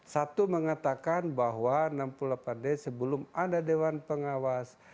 satu mengatakan bahwa enam puluh delapan d sebelum ada dewan pengawas